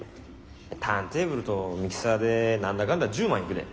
ターンテーブルとミキサーで何だかんだ１０万いくで。